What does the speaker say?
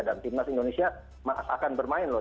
dan tim nasional indonesia akan bermain loh